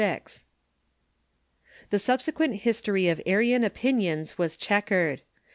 The subsequent history of Arian opinions was checkered.